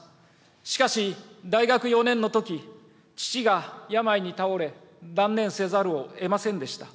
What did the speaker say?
しかし、大学４年のとき、父が病に倒れ、断念せざるをえませんでした。